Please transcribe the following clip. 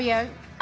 あ。